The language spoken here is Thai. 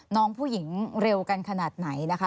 น้องผู้หญิงเร็วกันขนาดไหนนะคะ